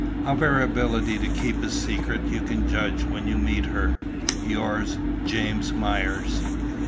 Of her ability to keep a secret you can judge when you meet her. "Yours, "JAMES MYERS."